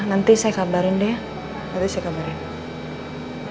nanti saya kabarin deh nanti saya kabarin